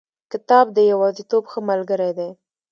کتاب د یوازیتوب ښه ملګری دی.